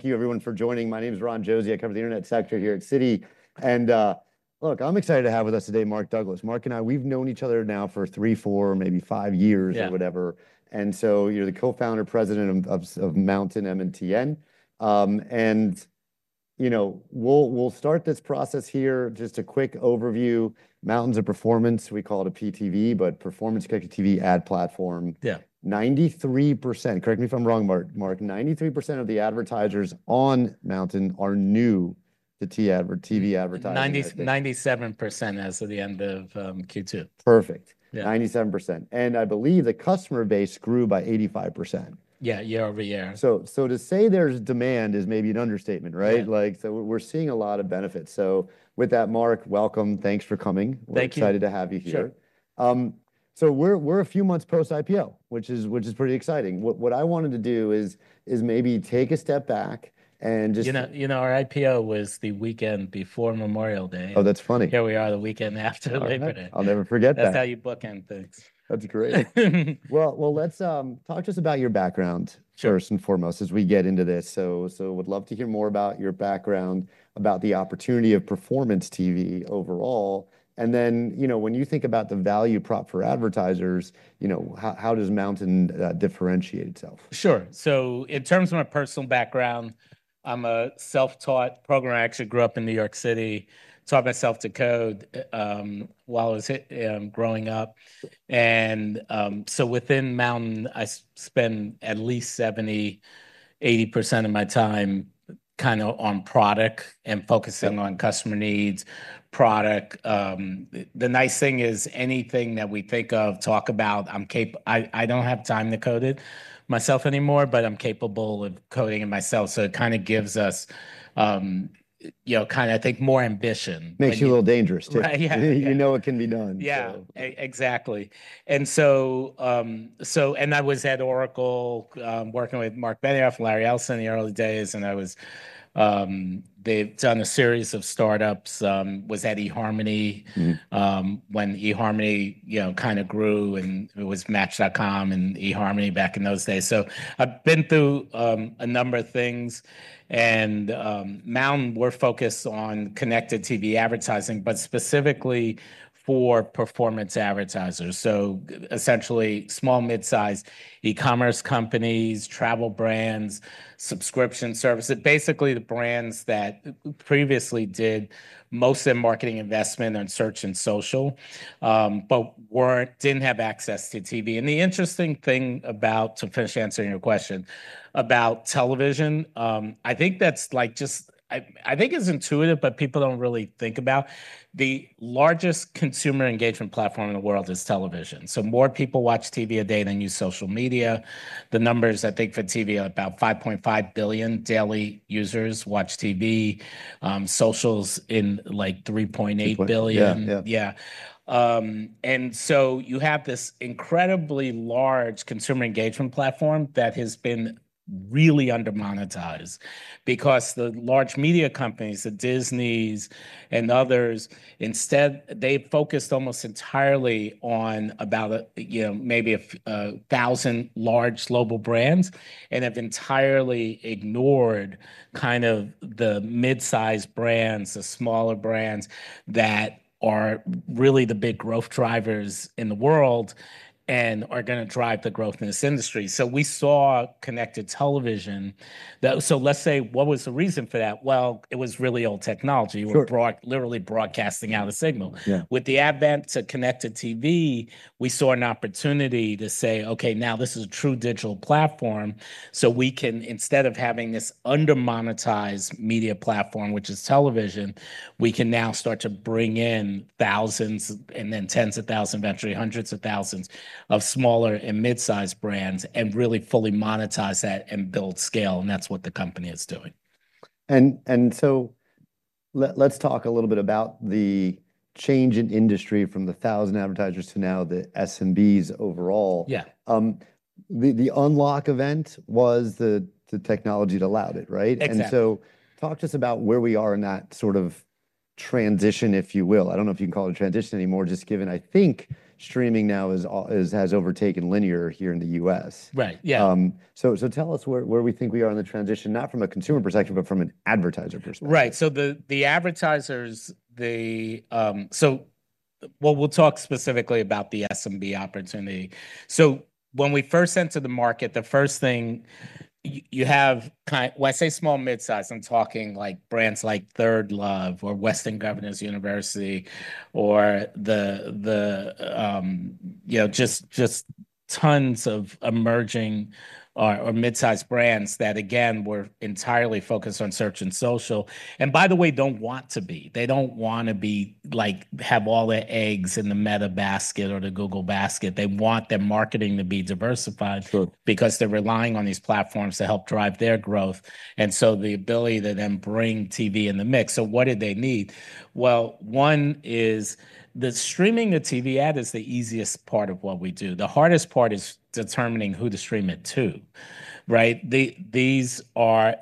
Thank you, everyone, for joining. My name is Ron Josey. I cover the Internet sector here at Citi. And, look. I'm excited to have with us today, Mark Douglas. Mark and I, we've known each other now for three, four, maybe five years or whatever. And so you're the cofounder, president of of of Mountain M and T N. And, you know, we'll we'll start this process here. Just a quick overview. Mountain's a performance. We call it a PTV, but performance connected TV ad platform. Yeah. 93% correct me if I'm wrong, Mark Mark. 93 of the advertisers on Mountain are new to t ad or TV advertisers. 9097% as of the end of, q two. Perfect. Yeah. 97%. And I believe the customer base grew by 85%. Yeah. Year over year. So so to say there's demand is maybe an understatement. Right? Like, so we're a lot of benefit. So with that, Mark, welcome. Thanks for coming. We're excited to have you here. So we're we're a few months post IPO, which is which is pretty exciting. What what I wanted to do is is maybe take a step back and just You know you know, our IPO was the weekend before Memorial Day. Oh, that's funny. Here we are the weekend after Labor Day. I'll never forget that. That's how you bookend things. That's great. Well well, let's, talk to us about your background Sure. First and foremost as we get into this. So so would love to hear more about your background, about the opportunity of performance TV overall. And then, you know, when you think about the value prop for advertisers, you know, how how does Mountain differentiate itself? Sure. So in terms of my personal background, I'm a self taught programmer. I actually grew up in New York City, taught myself to code while I was growing up. And so within Mountain, I spend at least 80% of my time kinda on product and focusing on customer needs, product. The nice thing is anything that we think of, talk about, I'm cape I I don't have time to code it myself anymore, but I'm capable of coding it myself. So it kinda gives us, you know, kinda, I think, more ambition. Makes you a little dangerous too. Yeah. You know it can be done. So Exactly. And so so and I was at Oracle working with Marc Benioff, Larry Ellison in the early days, and I was they've done a series of startups. Was at eHarmony Mhmm. When eHarmony, you know, kinda grew, and it was match.com and eHarmony back in those days. So I've been through a number of things. And now we're focused on connected TV advertising, but specifically for performance advertisers. So essentially, small, mid sized ecommerce companies, travel brands, subscription service. Basically, the brands that previously did most of their marketing investment on search and social, but weren't didn't have access to TV. And the interesting thing about to finish answering your question, about television, I think that's, like, just I I think it's intuitive, but people don't really think about. The largest consumer engagement platform in the world is television. So more people watch TV a day than use social media. The numbers, I think, for TV are about 5,500,000,000 daily users watch TV. Social's in, like, 3,800,000,000. Yeah. Yeah. And so you have this incredibly large consumer engagement platform that has been really under monetized because the large media companies, the Disney's and others, instead, they focused almost entirely on about, you know, maybe a a thousand large global brands and have entirely ignored kind of the mid sized brands, the smaller brands that are really the big growth drivers in the world and are gonna drive the growth in this industry. So we saw connected television that so let's say, what was the reason for that? Well, it was really old technology. We're brought literally broadcasting out a signal. Yeah. With the advent to connect to TV, we saw an opportunity to say, okay. Now this is a true digital platform. So we can instead of having this under monetized media platform, which is television, we can now start to bring in thousands and then tens of thousand, eventually hundreds of thousands of smaller and midsized brands and really fully monetize that and build scale, and that's what the company is doing. And and so let let's talk a little bit about the change in industry from the thousand advertisers to now the SMBs overall. Yeah. The the unlock event was the the technology that allowed it. Right? Exactly. And so talk to us about where we are in that sort of transition, if you will. I don't know you can call it a transition anymore, just given I think streaming now is is has overtaken linear here in The US. Right. Yeah. So so tell us where where we think we are in the transition, not from a consumer perspective, but from an advertiser perspective. Right. So the the advertisers, they, so well, we'll talk specifically about the SMB opportunity. So when we first entered the market, the first thing you have kind when I say small midsize, I'm talking, like, brands like ThirdLove or Western Governors University or the the you know, just just tons of emerging or or mid sized brands that, again, were entirely focused on search and social. And by the way, don't want to be. They don't wanna be like, have all their eggs in the meta basket or the Google basket. They want their marketing to be diversified True. Because they're relying on these platforms to help drive their growth, and so the ability to then bring TV in the mix. So what did they need? Well, one is the streaming the TV ad is the easiest part of what we do. The hardest part is determining who to stream it to, right? These are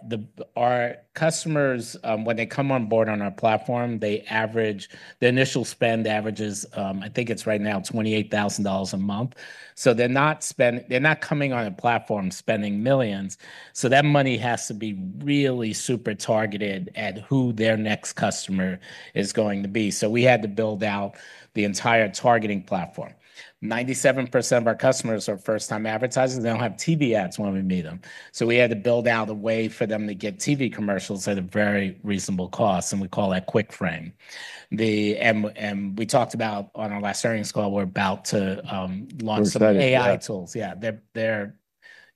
our customers, when they come on board on our platform, they average, the initial spend averages, I think it's right now, $28,000 a month. So they're not spend they're not coming on a platform spending millions. So that money has to be really super targeted at who their next customer is going to be. So we had to build out the entire targeting platform. 97% of our customers are first time advertisers. They don't have TV ads when we meet them. So we had to build out a way for them to get TV commercials at a very reasonable cost, and we call that quick frame. The and and we talked about on our last earnings call, we're about to launch some AI tools. Yeah. They're they're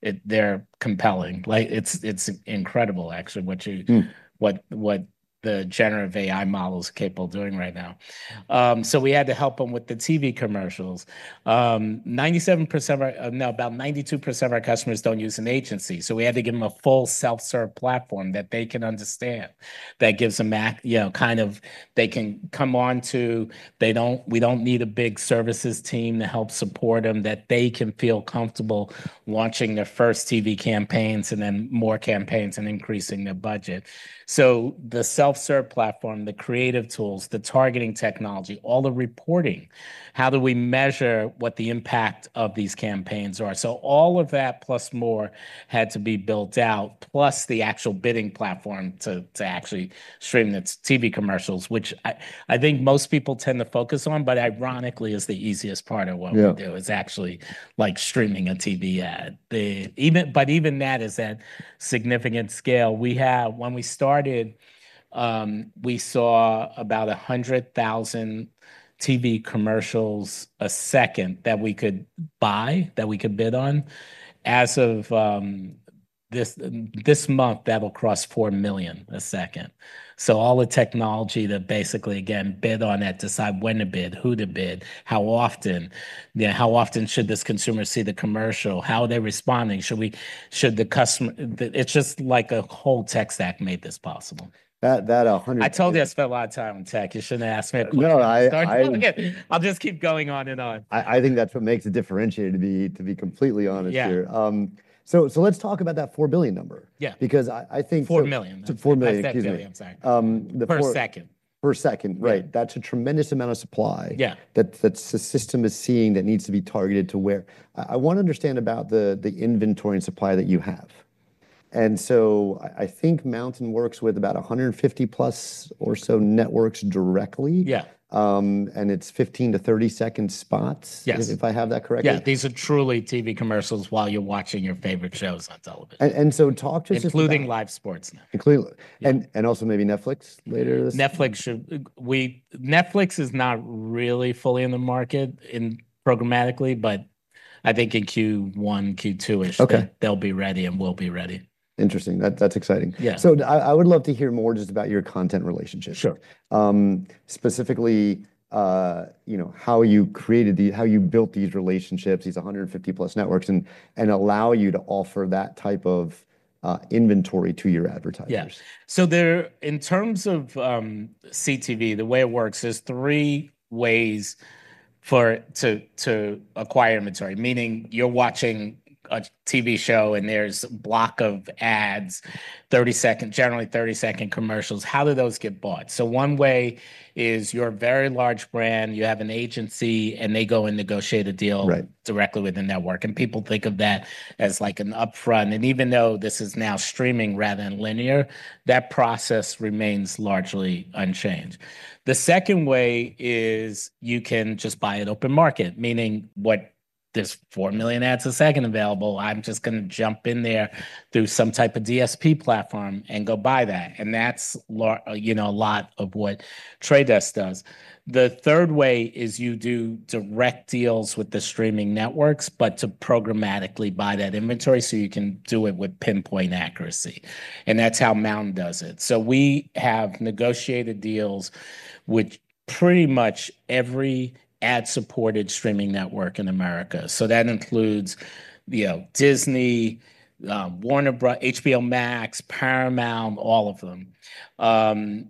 it they're compelling. Like, it's it's incredible, actually, what you what what the generative AI model is capable of doing right now. So we had to help them with the TV commercials. 97% of our no. About 92% of our customers don't use an agency, so we had to give them a full self serve platform that they can understand that gives them, know, kind of they can come on to they don't we don't need a big services team to help support them, that they can feel comfortable watching their first TV campaigns and then more campaigns and increasing their budget. So the self serve platform, the creative tools, the targeting technology, all the reporting, how do we measure what the impact of these campaigns are? So all of that plus more had to be built out, plus the actual bidding platform to to actually stream its TV commercials, which I I think most people tend to focus on, but ironically is the easiest part of what we do is actually like streaming a TV ad. The even but even that is at significant scale. We have when we started, we saw about a 100,000 TV commercials a second that we could buy, that we could bid on. As of this this month, that'll cross 4,000,000 a second. So all the technology that basically, again, bid on that, decide when to bid, who to bid, how often, yeah, how often should this consumer see the commercial, how are they responding, should we should the customer it's just like a whole tech stack made this possible. That that a 100% I told you I spent a lot of time on tech. You shouldn't ask me a question. I I I'll just keep going on and on. I I think that's what makes it differentiated, to be to be completely honest here. So so let's talk about that 4,000,000,000 number Yeah. Because I I think 4,000,000. It's a 4,000,000. That's that billion. Sorry. The Per second. Per second. Right. That's a tremendous amount of supply Yeah. That that the system is seeing that needs to be targeted to where I I wanna understand about the the inventory and supply that you have. And so I I think Mountain works with about 150 plus or so networks directly. Yeah. And it's fifteen to thirty second spots Yes. If I have that correct? Yeah. These are truly TV commercials while you're watching your favorite shows on television. And and so talk to Including live sports now. Including. And and also maybe Netflix later this week? Netflix should we Netflix is not really fully in the market in programmatically, but I think in q one, q two ish, they'll be ready and will be ready. Interesting. That that's exciting. Yeah. So I I would love to hear more just about your content relationship. Sure. Specifically, you know, how you created the how you built these relationships, these 150 plus networks, and and allow you to offer that type of inventory to your advertisers? So there in terms of CTV, the way it works, there's three ways for to to acquire inventory. Meaning, you're watching a TV show and there's block of ads, thirty second generally, second commercials. How do those get bought? So one way is you're a very large brand. You have an agency, and they go and negotiate a deal Right. Directly within network. And people think of that as like an upfront. And even though this is now streaming rather than linear, that process remains largely unchanged. The second way is you can just buy an open market, meaning what this 4,000,000 ads a second available. I'm just gonna jump in there through some type of DSP platform and go buy that. And that's, know, a lot of what Trade Desk does. The third way is you do direct deals with the streaming networks, but to programmatically buy that inventory so you can do it with pinpoint accuracy. And that's how Mountain does it. So we have negotiated deals with pretty much every ad supported streaming network in America. So that includes, you know, Disney, Warner Bros HBO Max, Paramount, all of them.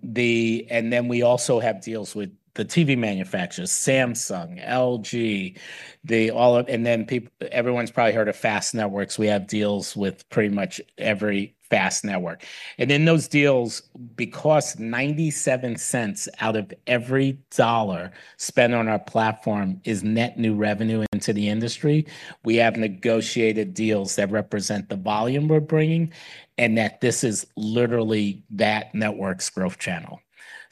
The and then we also have deals with the TV manufacturers, Samsung, LG. They all and then peep everyone's probably heard of fast networks. We have deals with pretty much every fast network. And then those deals, because 97¢ out of every dollar spent on our platform is net new revenue into the industry. We have negotiated deals that represent the volume we're bringing and that this is literally that network's growth channel.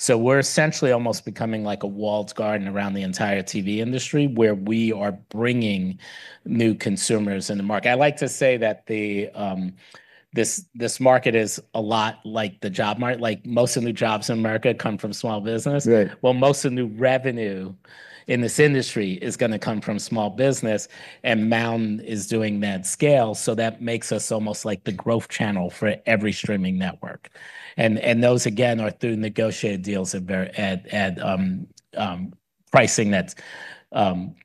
So we're essentially almost becoming like a walled garden around the entire TV industry where we are bringing new consumers in the market. I like to say that the this this market is a lot like the job mark. Like, most of new jobs in America come from small business. Right. Well, most of the new revenue in this industry is gonna come from small business, and Mound is doing that scale. So that makes us almost like the growth channel for every streaming network. And and those, are through negotiated deals that bear add add pricing that's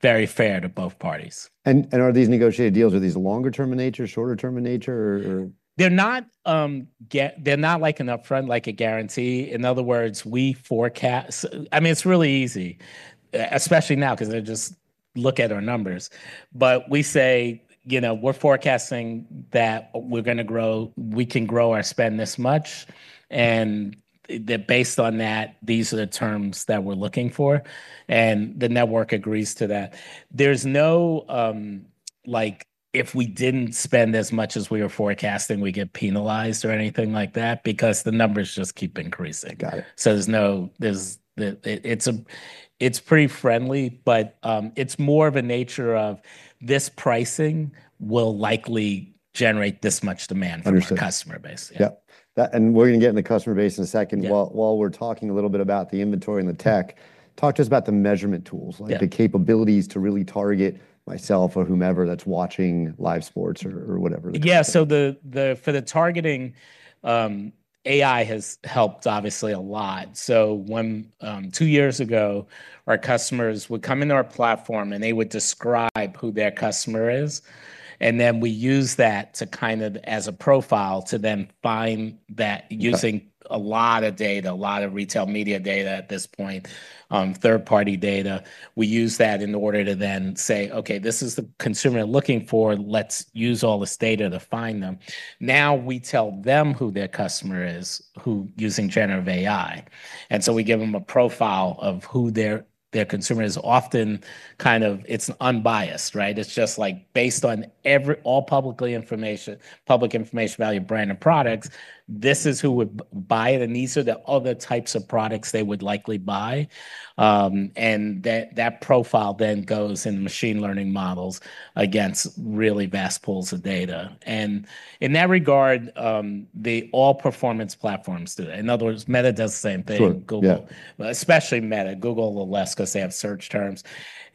very fair to both parties. And and are these negotiated deals? Are these longer term in nature, shorter term in nature? Or or They're not get they're not like an upfront, like a guarantee. In other words, we forecast I mean, it's really easy, especially now because I just look at our numbers. But we say, you know, we're forecasting that we're gonna grow we can grow our spend this much. And based on that, these are the terms that we're looking for, and the network agrees to that. There's no like, if we didn't spend as much as we were forecasting, we get penalized or anything like that because the numbers just keep increasing. Got it. So there's no there's the it's a it's pretty friendly, but it's more of a nature of this pricing will likely generate this much demand from the customer base. Yep. That and we're gonna get in the customer base in a second. While while we're talking a little bit about the inventory and the tech, talk to us about the measurement tools, like the capabilities to really target myself or whomever that's watching live sports or or whatever. Yeah. So the the for the targeting, AI has helped, obviously, a lot. So one two years ago, our customers would come into our platform, and they would describe who their customer is. And then we use that to kind of as a profile to then find that using a lot of data, a lot of retail media data at this point, third party data. We use that in order to then say, okay. This is the consumer looking for. Let's use all this data to find them. Now we tell them who their customer is who using generative AI. And so we give them a profile of who their their consumer is often kind of it's unbiased. Right? It's just like based on every all publicly information public information value brand and products, this is who would buy, and these are the other types of products they would likely buy. And that that profile then goes in machine learning models against really vast pools of data. And in that regard, they all performance platforms do that. In other words, Meta does the same thing. Google. Especially Meta, Google a little less because they have search terms.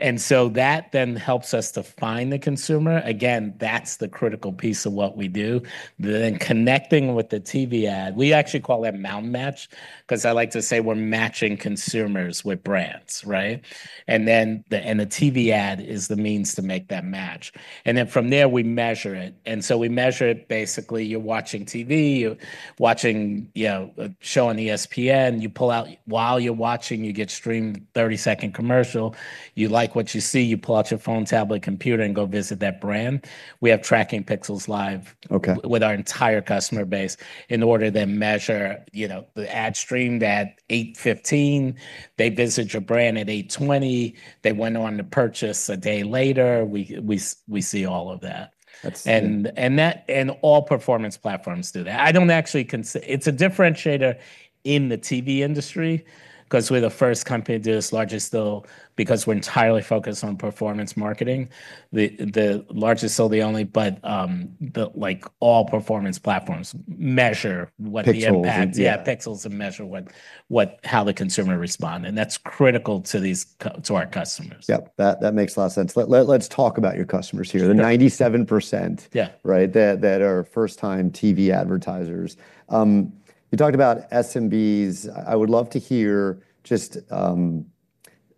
And so that then helps us to find the consumer. Again, that's the critical piece of what we do. Then connecting with the TV ad. We actually call it mountain match, because I like to say we're matching consumers with brands. Right? And then the and the TV ad is the means to make that match. And then from there, we measure it. And so we measure it, basically, you're watching TV, you're watching, you know, a show on ESPN. You pull out while you're watching, you get streamed thirty second commercial. You like what you see, you pull out your phone, tablet, computer, and go visit that brand. We have tracking pixels live Okay. With our entire customer base in order to measure, you know, the ad stream that 08:15. They visit your brand at 08:20. They went on to purchase a day later. We we we see all of that. That's And and that and all performance platforms do that. I don't actually cons it's a differentiator in the TV industry because we're the first company to do this largest still because we're entirely focused on performance marketing. The the largest still the only, but but, like, all performance platforms measure what the impact yeah. Pixels measure what what how the consumer respond, and that's critical to these to our customers. Yep. That that makes a lot of sense. Let let let's talk about your customers here. The 97% Yeah. Right, that that are first time TV advertisers. You talked about SMBs. I would love to hear just,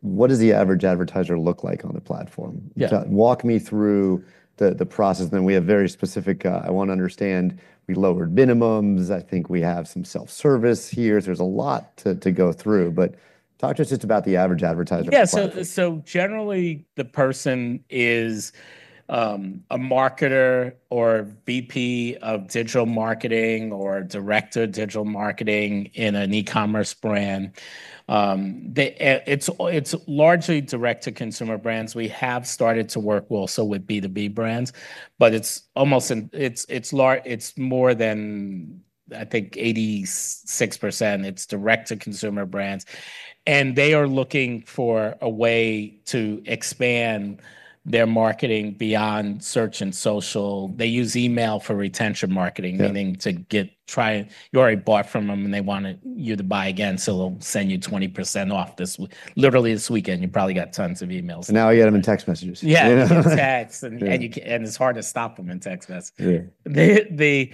what does the average advertiser look like on the platform? Yeah. Walk me through the the process. Then we have very specific, I want to understand we lowered minimums. I think we have some self-service here. There's a lot to to go through, but talk to us just about the average advertiser part. So so, generally, the person is, a marketer or VP of digital marketing or director of digital marketing in an ecommerce brand. The it's it's largely direct to consumer brands. We have started to work also with b two b brands, but it's almost an it's it's it's than, I think, 86%. It's direct to consumer brands. And they are looking for a way to expand their marketing beyond search and social. They use email for retention marketing, meaning to get try you already bought from them, they wanted you to buy again, so they'll send you 20% off this literally this weekend. You probably got tons of emails. And now you get them in text messages. Yeah. In text, and and you and it's hard to stop them in text messages. Yeah. The the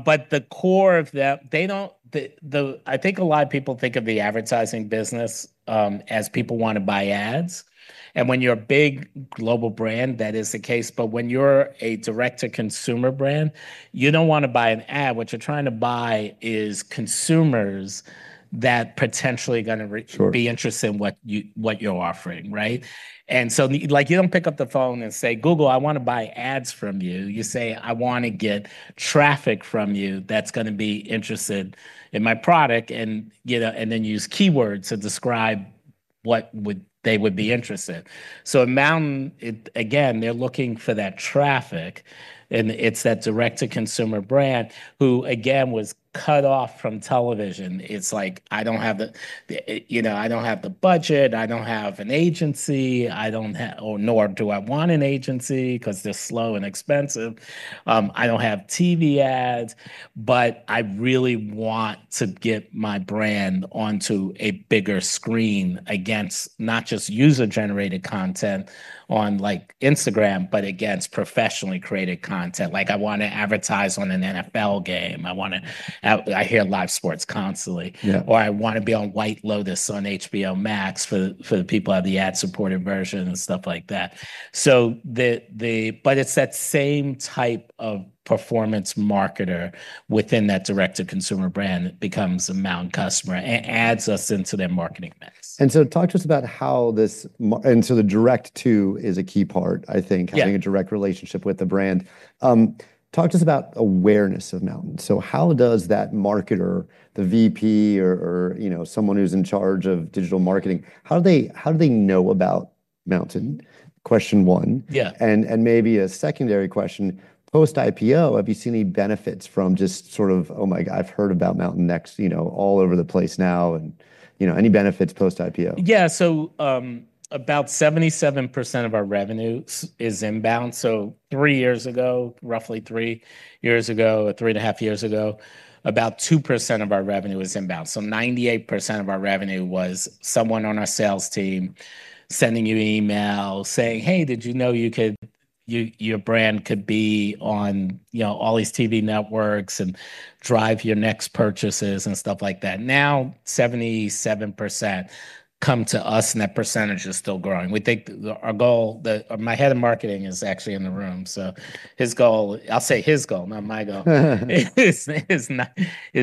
but the core of that, they don't the the I think a lot of people think of the advertising business as people wanna buy ads. And when you're a big global brand, that is the case. But when you're a direct to consumer brand, you don't wanna buy an ad. What you're trying to buy is consumers that potentially gonna be interested in what you what you're offering. Right? And so, like, you don't pick up the phone and say, Google, I wanna buy ads from you. You say, I wanna get traffic from you that's gonna be interested in my product, and then use keywords to describe what would they would be interested. So at Mountain, again, they're looking for that traffic, and it's that direct to consumer brand who, again, was cut off from television. It's like, don't have the the, you know, I don't have the budget. I don't have an agency. I don't nor do I want an agency because they're slow and expensive. I don't have TV ads, but I really want to get my brand onto a bigger screen against not just user generated content on, like, Instagram, but against professionally created content. Like, I wanna advertise on an NFL game. I wanna I hear live sports constantly. Yeah. Or I wanna be on White Lotus on HBO Max for for the people who have the ad supported version and stuff like that. So the the but it's that same type of performance marketer within that direct to consumer brand that becomes a Mountain customer and adds us into their marketing mix. And so talk to us about how this and so the direct to is a key part, I think, having a direct relationship with the brand. Talk to us about awareness of Mountain. So how does that marketer, the VP or or, you know, someone who's in charge of digital marketing, how do they how do they know about Mountain? Question one. Yeah. And and maybe a secondary question, Post IPO, have you seen any benefits from just sort of, oh my god. I've heard about Mountain Next, you know, all over the place now. And, you know, any benefits post IPO? Yeah. So, about 77% of our revenues is inbound. So three years ago, roughly three years ago or three and a half years ago, about 2% of our revenue was inbound. So 98% of our revenue was someone on our sales team sending you emails saying, hey. Did you know you could you your brand could be on, you know, all these TV networks and drive your next purchases and stuff like that. Now 77% come to us, and that percentage is still growing. We think our goal the my head of marketing is actually in the room. So his goal I'll say his goal, not my goal. His his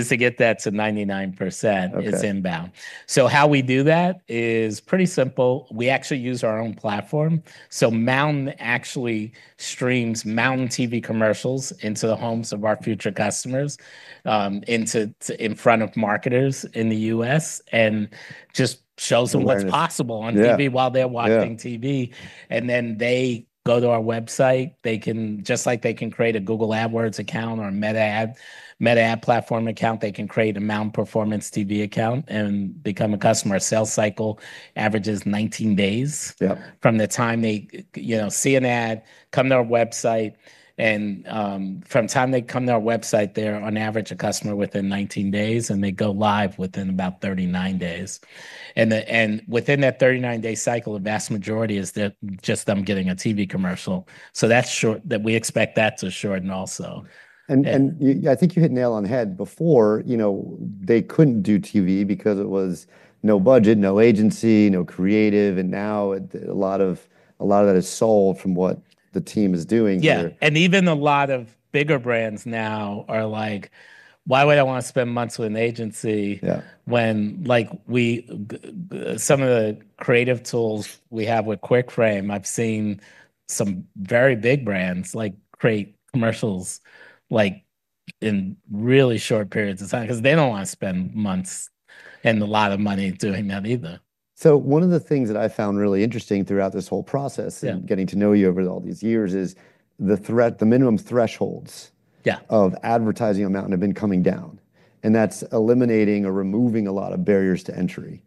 to get that to 99%. It's inbound. So how we do that is pretty simple. We actually use our own platform. So Mountain actually streams Mountain TV commercials into the homes of our future customers into in front of marketers in The US and just shows them what's possible on TV while they're watching TV. And then they go to our website. They can just like they can create a Google AdWords account or a meta ad meta ad platform account, they can create a mountain performance TV account and become a customer. Sales cycle averages nineteen days Yep. From the time they, you know, see an ad, come to our website. And from time they come to our website, they're on average a customer within nineteen days, and they go live within about thirty nine days. And the and within that thirty nine day cycle, the vast majority is that just them getting a TV commercial. So that's short that we expect that to shorten also. And and I think you hit nail on the head. Before, you know, they couldn't do TV because it was no budget, no agency, no creative, and now a lot of a lot of that is sold from what the team is doing here. Yeah. And even a lot of bigger brands now are like, why would I want to spend months with an agency when some of the creative tools we have with QuickFrame, I've seen some very big brands, like, create commercials, like, in really short periods of time because they don't wanna spend months and a lot of money doing that either. So one of the things that I found really interesting throughout this whole process Yeah. Getting to know you over all these years is the threat the minimum thresholds Yeah. Of advertising amount have been coming down, and that's eliminating or removing a lot of barriers to entry.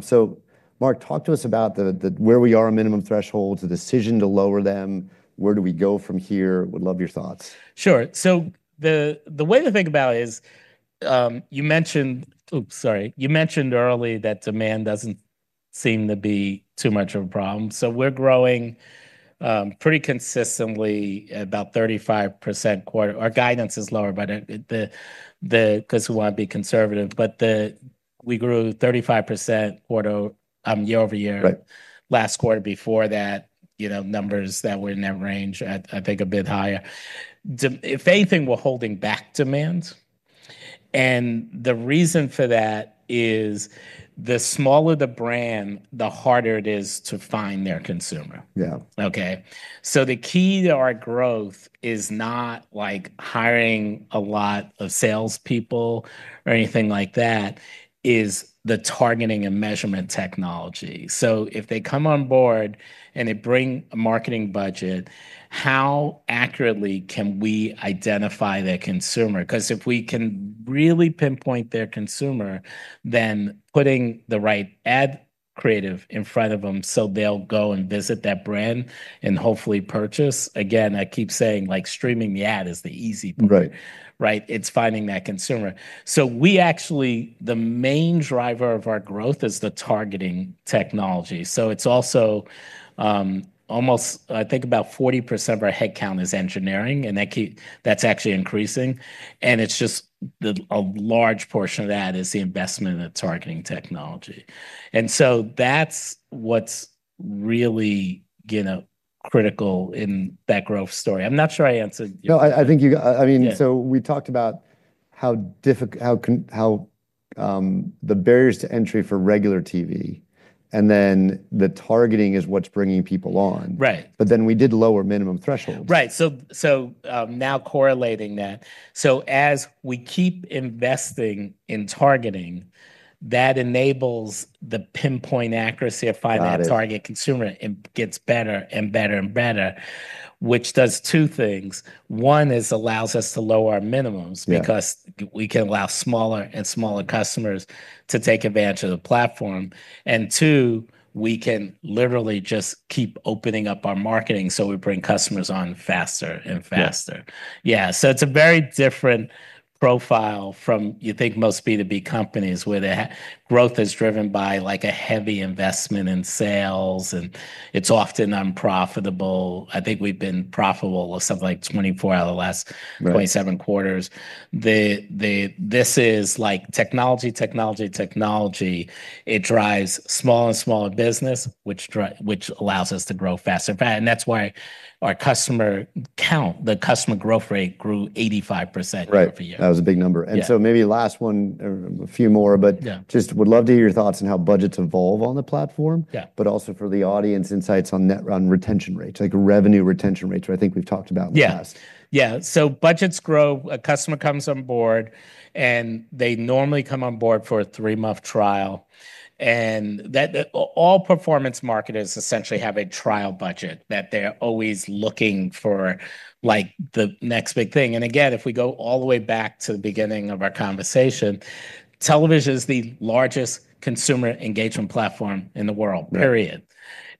So Mark, talk to us about the where we are in minimum thresholds, the decision to lower them, where do we go from here? Would love your thoughts. Sure. So the way to think about it is you mentioned oops, sorry. You mentioned early that demand doesn't seem to be too much of a problem. So we're growing pretty consistently about 35% quarter. Our guidance is lower, but the the because we wanna be conservative. But the we grew 35% quarter over year last quarter before that, you know, numbers that were in that range, I think a bit higher. If anything, we're holding back demands. And the reason for that is the smaller the brand, the harder it is to find their consumer. Yeah. Okay? So the key to our growth is not like hiring a lot of salespeople or anything like that, is the targeting and measurement technology. So if they come on board and they bring a marketing budget, how accurately can we identify their consumer? Because if we can really pinpoint their consumer, then putting the right ad creative in front of them so they'll go and visit that brand and hopefully purchase. Again, I keep saying, like, streaming the ad is the easy part. Right? It's finding that consumer. So we actually the main driver of our growth is the targeting technology. So it's also almost I think about 40% of our headcount is engineering, and that keep that's actually increasing. And it's just the a large portion of that is the investment in the targeting technology. And so that's what's really, you know, critical in that growth story. I'm not sure I answered your I think you I mean, so we talked about how diff how can how the barriers to entry for regular TV and then the targeting is what's bringing people on. Right. But then we did lower minimum thresholds. Right. So so now correlating that. So as we keep investing in targeting, that enables the pinpoint accuracy of finding that target consumer and gets better and better and better, which does two things. One is allows us to lower our minimums because we can allow smaller and smaller customers to take advantage of the platform. And two, we can literally just keep opening up our marketing so we bring customers on faster and faster. Yeah. So it's a very different profile from you think most b to b companies where the growth is driven by, like, a heavy investment in sales, and it's often unprofitable. I think we've been profitable with something like 24 out of the last 27 quarters. The the this is like technology, technology, technology. It drives small and smaller business, which which allows us to grow faster. And that's why our customer count, the customer growth rate grew 85% year over year. That was a big number. And so maybe last one, a few more, but just would love to hear your thoughts on how budgets evolve on the platform, but also for the audience insights on net run retention rates, like revenue retention rates, where I think we've talked about in the past. Yeah. So budgets grow. A customer comes on board, and they normally come on board for a three month trial. And that all performance marketers essentially have a trial budget that they're always looking for, like, the next big thing. And again, if we go all the way back to the beginning of our conversation, television is the largest consumer engagement platform in the world, period.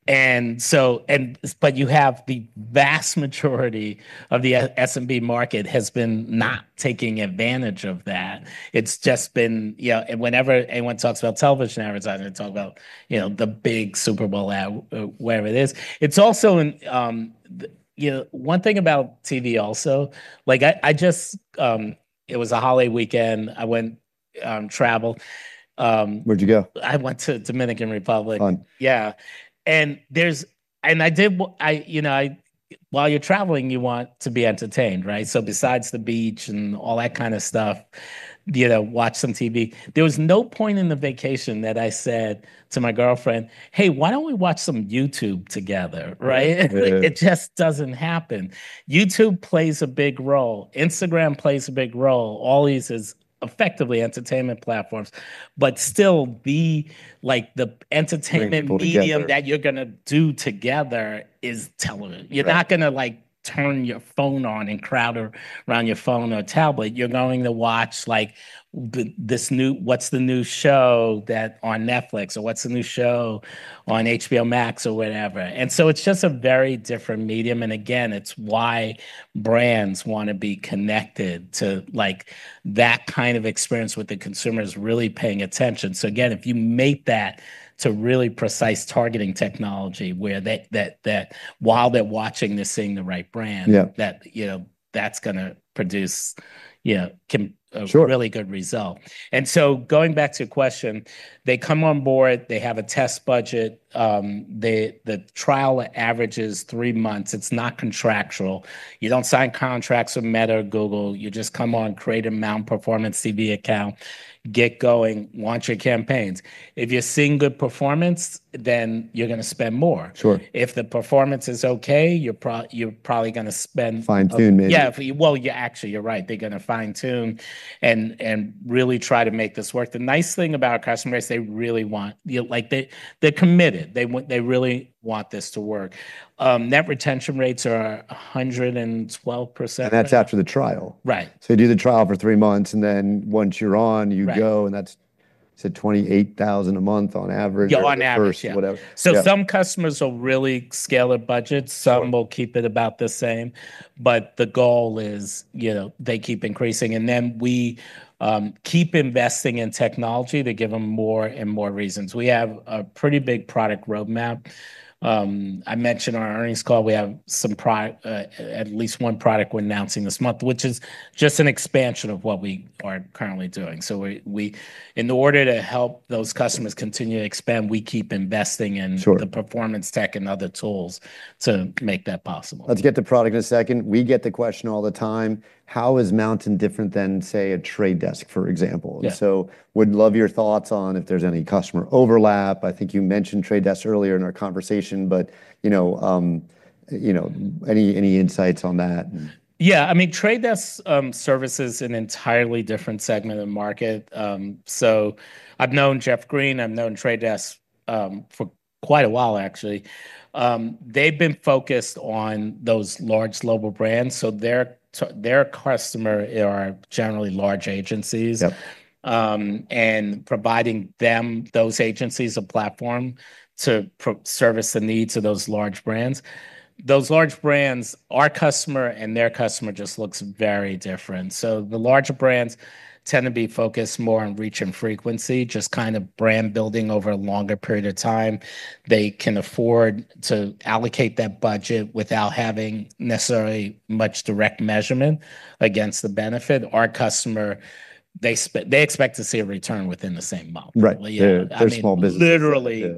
And so and but you have the vast majority of the SMB market has been not taking advantage of that. It's just been you know, whenever anyone talks about television advertising, they talk about, you know, the big Super Bowl ad, wherever it is. It's also in you know, one thing about TV also, like, I I just it was a holiday weekend. I went travel. Where'd you go? I went to Dominican Republic. Fun. Yeah. And there's and I did you know, I while you're traveling, you want to be entertained. Right? So besides the beach and all that kind of stuff, you know, watch some TV. There was no point in the vacation that I said to my girlfriend, Hey, why don't we watch some YouTube together? Right? It just doesn't happen. YouTube plays a big role. Instagram plays a big role. All these is effectively entertainment platforms. But still, the, like, the entertainment medium that you're gonna do together is television. You're not gonna, like, turn your phone on and crowd around your phone or tablet. You're going to watch, like, this new what's the new show that on Netflix or what's the new show on HBO Max or whatever. And so it's just a very different medium. And, again, it's why brands wanna be connected to, like, that kind of experience with the consumers really paying attention. So, again, if you make that to really precise targeting technology where that that that while they're watching, they're seeing the right brand Yep. That, you know, that's gonna produce, you know, can a really good result. And so going back to your question, they come on board. They have a test budget. They the trial averages three months. It's not contractual. You don't sign contracts with Meta or Google. You just come on, create a nonperformance CV account, get going, launch your campaigns. If you're seeing good performance, then you're gonna spend more. Sure. If the performance is okay, you're you're probably Fine tune, maybe. Yeah. Well, yeah. Actually, you're right. They're gonna fine tune and and really try to make this work. The nice thing about our customers is they really want you know, like, they they're committed. They want they really want this to work. Net retention rates are a 112%. And that's after the trial? Right. So you do the trial for three months, and then once you're on, you go, and that's, say, 28,000 a month on average Go on average. Whatever. Yeah. So some customers will really scale their budgets. Some will keep it about the same. But the goal is they keep increasing. And then we keep investing in technology to give them more and more reasons. We have a pretty big product road map. I mentioned on our earnings call, we have some product at least one product we're announcing this month, which is just an expansion of what we are currently doing. So we in order to help those customers continue to expand, we keep investing in Sure. The performance tech and other tools to make that possible. Let's get to product in a second. We get the question all the time, how is Mountain different than, say, a trade desk, for example? Yeah. So would love your thoughts on if there's any customer overlap. I think you mentioned Trade Desk earlier in our conversation, but, you know, you know, any any insights on that? Yeah. I mean, Trade Desk services an entirely different segment of the market. So I've known Jeff Green. I've known Trade Desk for quite a while, actually. They've been focused on those large global brands. So their their customer are generally large agencies. And providing them, those agencies, a platform to service the needs of those large brands. Those large brands, our customer and their customer just looks very different. So the larger brands tend to be focused more on reach and frequency, just kind of brand building over a longer period of time. They can afford to allocate that budget without having necessarily much direct measurement against the benefit. Our customer, they they expect to see a return within the same month. Right. They're small business. Literally,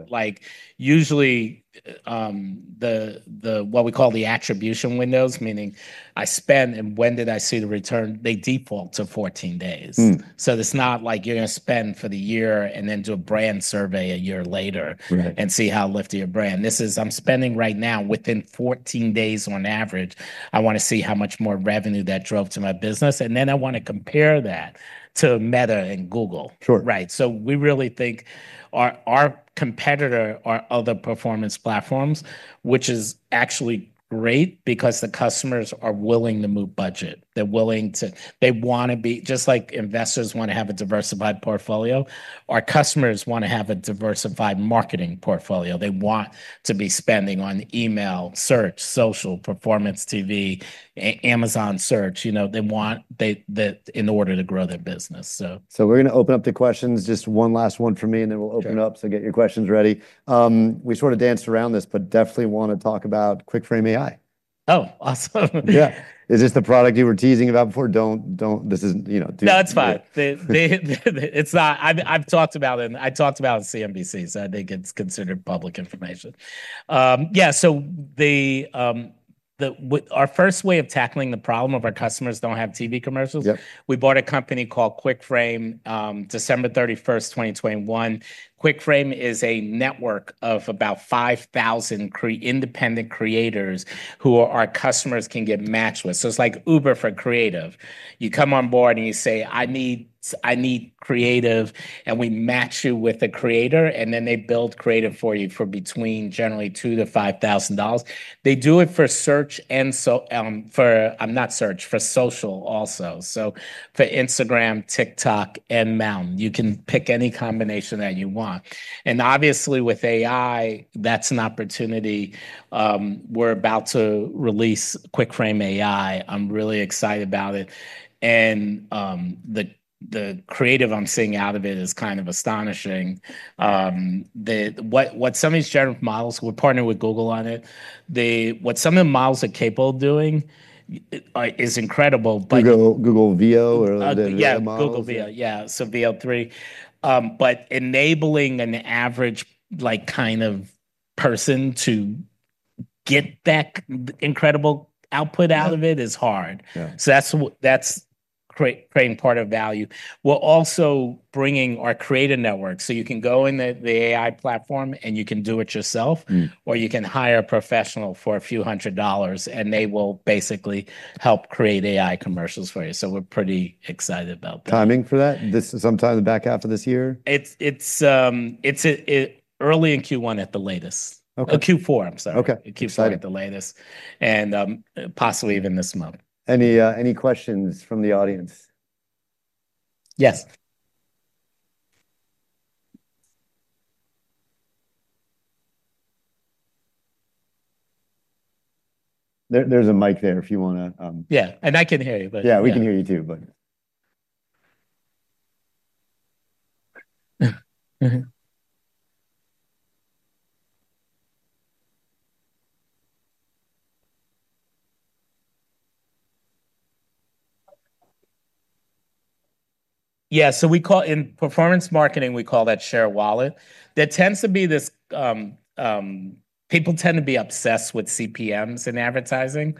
usually, the the what we call the attribution windows, meaning I spend and when did I see the return, they default to fourteen days. So it's not like you're gonna spend for the year and then do a brand survey a year later Right. And see how lift your brand. This is I'm spending right now within fourteen days on average. I wanna see how much more revenue that drove to my business, and then I wanna compare that to Meta and Google. Sure. Right? So we really think our our competitor are other performance platforms, which is actually great because the customers are willing to move budget. They're willing to they wanna be just like investors wanna have a diversified portfolio. Our customers wanna have a diversified marketing portfolio. They want to be spending on email, search, social, performance TV, Amazon search. You know, they want they that in order to grow their business. So So we're gonna open up to questions. Just one last one for me, and then we'll open up so get your questions ready. We sort of danced around this, but definitely wanna talk about QuickFrame AI. Oh, awesome. Yeah. Is this the product you were teasing about before? Don't don't this isn't you know? No. It's fine. They they it's not I've I've talked about it, and I talked about CNBC, so I think it's considered public information. So the the our first way of tackling the problem of our customers don't have TV commercials Yep. We bought a company called Quick Frame 12/31/2021. Quick Frame is a network of about 5,000 independent creators who our customers can get matched with. So it's like Uber for creative. You come on board and you say, I need I need creative, and we match you with the creator, and then they build creative for you for between generally 2 to $5,000. They do it for search and so for not search, for social also. So for Instagram, TikTok, and Mountain. You can pick any combination that you want. And obviously, with AI, that's an opportunity. We're about to release QuickFrame AI. I'm really excited about it. And the the creative I'm seeing out of it is kind of astonishing. The what what some of these generative models we're partnered with Google on it. They what some of the models are capable of doing, like, is incredible. But Google Google VO or the models? Google VO. Yeah. So v o three. But enabling an average, like, kind of person to get back incredible output out of it is hard. Yeah. So that's that's creating part of value. We're also bringing our creative network. So you can go in the the AI platform, and you can do it yourself, or you can hire a professional for a few $100, and they will basically help create AI commercials for you. So we're pretty excited about that. Timing for that? This is sometime in the back half of this year? It's it's it's early in q one at the latest. Okay. Q four, I'm sorry. Okay. Q seven at the latest and possibly even this month. Any any questions from the audience? Yes. There there's a mic there if you wanna Yeah. And I can hear you. But Yeah. We can hear you too. But yeah. Yeah. So we call in performance marketing, we call that share wallet. There tends to be this people tend to be obsessed with CPMs in advertising,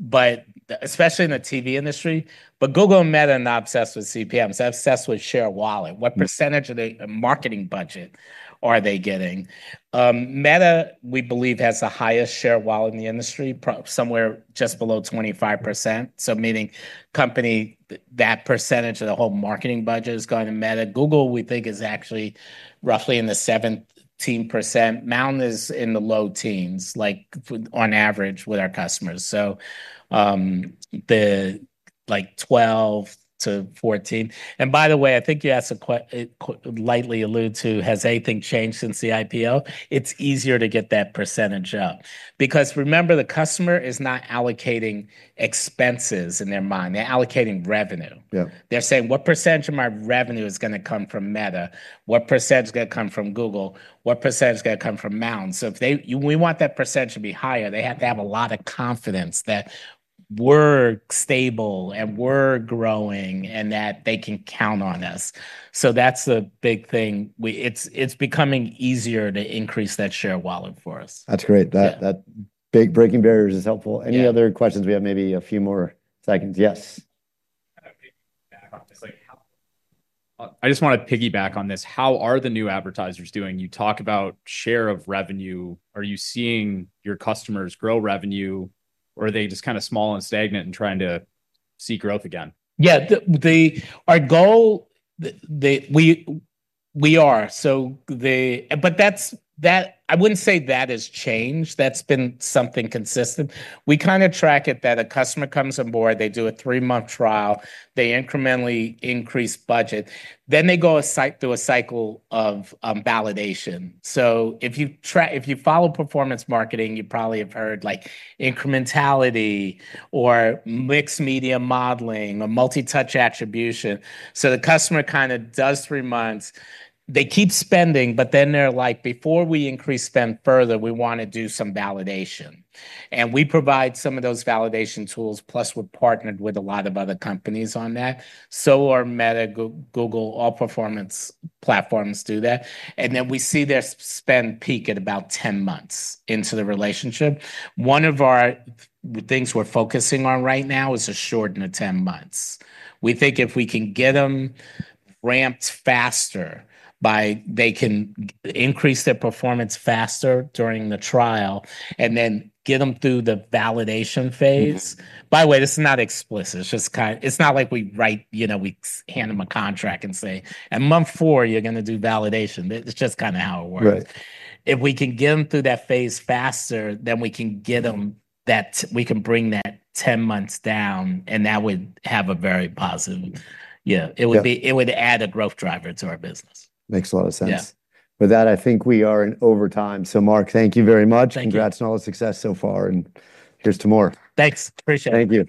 but especially in the TV industry. But Google and Meta are not obsessed with CPMs. They're obsessed with share of wallet. What percentage of the marketing budget are they getting? Meta, we believe, has the highest share of wallet in the industry, somewhere just below 25%. So meaning company that percentage of the whole marketing budget is going to Meta. Google, we think, is actually roughly in the 17%. Mountain is in the low teens, like, on average with our customers. So the like, 12 to 14. And by the way, I think you asked a quite lightly allude to, has anything changed since the IPO? It's easier to get that percentage up. Because remember, the customer is not allocating expenses in their mind. They're allocating revenue. Yep. They're saying what percentage of my revenue is gonna come from Meta? What percentage is gonna come from Google? What percentage is gonna come from Mountain? So if they we want that percentage to be higher. They have to have a lot of confidence that we're stable and we're growing and that they can count on us. So that's the big thing. We it's it's becoming easier to increase that share of wallet for us. That's great. That that big breaking barriers is helpful. Any other questions? We have maybe a few more seconds. Yes. I just wanna piggyback on this. How are the new advertisers doing? You talk about share of revenue. Are you seeing your customers grow revenue, or are they just kinda small and stagnant and trying to see growth again? Yeah. The the our goal we we are. So they but that's that I wouldn't say that has changed. That's been something consistent. We kinda track it that a customer comes on board. They do a three month trial. They incrementally increase budget. Then they go a site do a cycle of validation. So if you track if you follow performance marketing, you probably have heard, like, incrementality or mixed media modeling or multi touch attribution. So the customer kinda does three months. They keep spending, but then they're like, before we increase them further, we wanna do some validation. And we provide some of those validation tools, plus we're partnered with a lot of other companies on that. So our Meta, Google, all performance platforms do that. And then we see their spend peak at about ten months into the relationship. One of our things we're focusing on right now is a shorten of ten months. We think if we can get them ramped faster by they can increase their performance faster during the trial and then get them through the validation phase. By the way, this is not explicit. It's just kind it's not like we write you know, we hand them a contract and say, at month four, you're gonna do validation. It's just kinda how it works. If we can get them through that phase faster, then we can get them that we can bring that ten months down, and that would have a very positive yeah. It would be it would add a growth driver to our business. Makes a lot of sense. With that, I think we are in overtime. So, Mark, thank you very much. Congrats on all the success so far, and here's to more. Thanks. Appreciate it. Thank you.